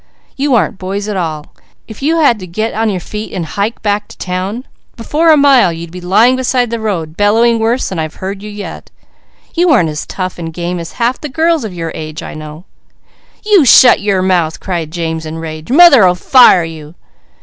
You aren't boys at all; if you had to get on your feet and hike back to town, before a mile you'd be lying beside the road bellowing worse than I've heard you yet. You aren't as tough and game as half the girls of your age I know." "You shut your mouth!" cried James in rage. "Mother'll fire you!"